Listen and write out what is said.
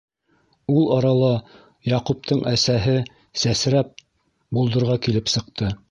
Ул арала Яҡуптың әсәһе, сәсрәп, болдорға килеп сыҡты: